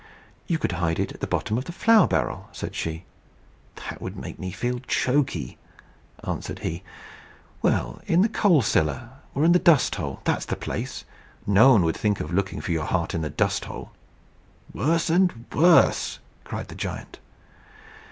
"You could hide it at the bottom of the flour barrel," said she. "That would make me feel chokey," answered he. "Well, in the coal cellar. Or in the dust hole that's the place! No one would think of looking for your heart in the dust hole." "Worse and worse!" cried the giant.